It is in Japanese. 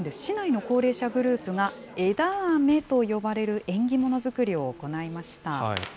市内の高齢者グループが枝アメと呼ばれる縁起物作りを行いました。